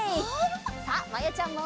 さあまやちゃんも。